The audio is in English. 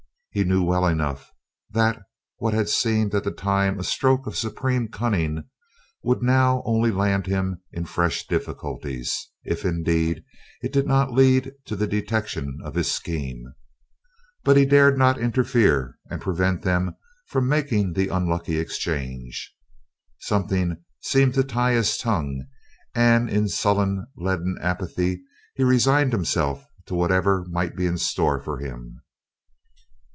He knew well enough that what had seemed at the time a stroke of supreme cunning would now only land him in fresh difficulties, if indeed it did not lead to the detection of his scheme. But he dared not interfere and prevent them from making the unlucky exchange. Something seemed to tie his tongue, and in sullen leaden apathy he resigned himself to whatever might be in store for him.